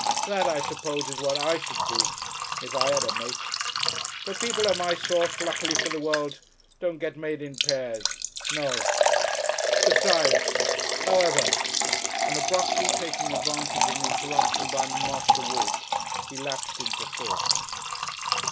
That, I suppose, is what I should do if I had a mate.... But people of my sort, luckily for the world, don't get made in pairs. No! "Besides ! However " And abruptly, taking advantage of an interruption by Master Walt, he lapsed into thought.